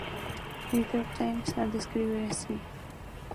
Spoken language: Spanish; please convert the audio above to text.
New York Times la describe así.